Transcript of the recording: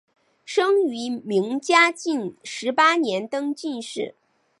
生于明嘉靖十八年登进士。